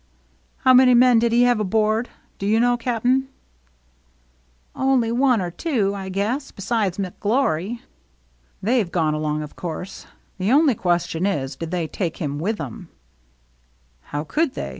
" How many men did he have aboard ? Do you know, Cap'n ?" "Only one or two, I guess, besides Mc Glory." " They've gone along, of course. The only question is, did they take him with 'em ?"" How could they